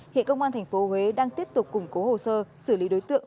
hiện công an tp huế đang tiếp tục củng cố hồ sơ xử lý đối tượng